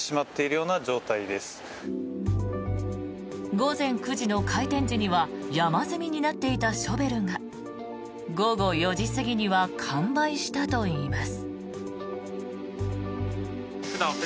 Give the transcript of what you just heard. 午前９時の開店時には山積みになっていたショベルが午後４時過ぎには完売したといいます。